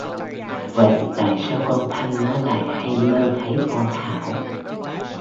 Vậy tại sao con thanh nó lại hay mơ thấy con thảo